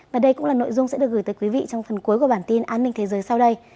và đây cũng là nội dung sẽ được gửi tới quý vị trong phần cuối của bản tin an ninh thế giới sau đây